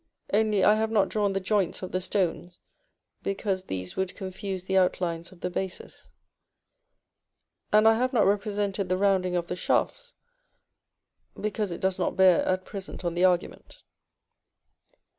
only I have not drawn the joints of the stones because these would confuse the outlines of the bases; and I have not represented the rounding of the shafts, because it does not bear at present on the argument.)